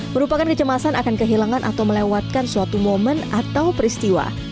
merupakan kecemasan akan kehilangan atau melewatkan suatu momen atau peristiwa